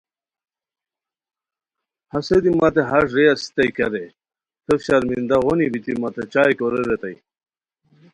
ہسے دی مت ہݰ رے اسیتائے کیہ رے، تھے شرمندہ غونی بیتی متے چائے کورے ریتائے